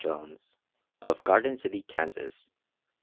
Jones, of Garden City, Kans.